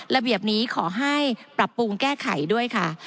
ระเบียบนี้ขอให้ปรับปรุงแก้ไขด้วยค่ะ